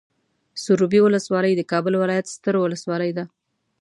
سروبي ولسوالۍ د کابل ولايت ستر ولسوالي ده.